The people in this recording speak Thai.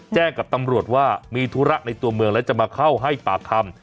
แจ้งกับตำรวจว่ามีธุระในตัวเมืองแล้วจะมาเข้าให้ปากคำ